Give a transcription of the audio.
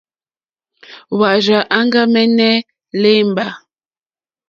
Hwá rzà áŋɡàmɛ̀nɛ̀ lěmbà.